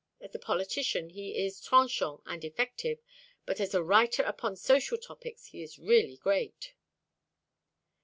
As a politician he is trenchant and effective, but as a writer upon social topics he is really great."